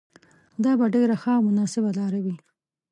دا به ډېره ښه او مناسبه لاره وي.